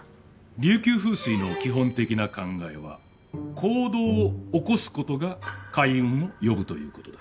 琉球風水の基本的な考えは行動を起こすことが開運を呼ぶということだ。